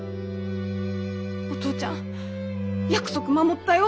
「お父ちゃん約束守ったよ」